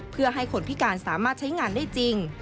เพื่อให้คนพิการสามารถใช้งานได้จริง